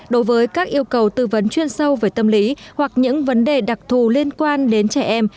đối với các yêu cầu tư vấn chuyên sâu về tâm lý hoặc những vấn đề đặc thù liên quan đến trẻ em